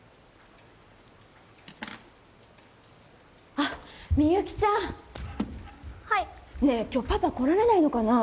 あっみゆきちゃんはいねえ今日パパ来られないのかなあ